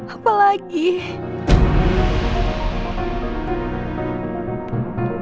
apalagi yang harus gue lakukan